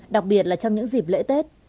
đặc biệt là trong những dịp lễ tết